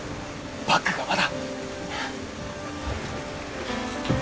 バッグがまだ